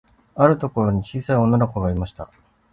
あるところに、ちいさい女の子がいました。